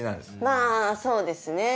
まぁそうですね。